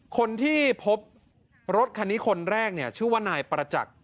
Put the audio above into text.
คนที่พบรถคันนี้คนแรกเนี่ยชื่อว่านายประจักษ์